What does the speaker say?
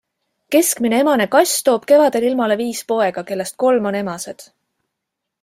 Keskmine emane kass toob kevadel ilmale viis poega, kellest kolm on emased.